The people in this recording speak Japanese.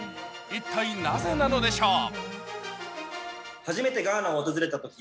一体なぜなのでしょう？